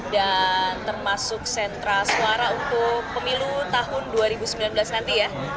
dan termasuk sentra suara untuk pemilu tahun dua ribu sembilan belas nanti ya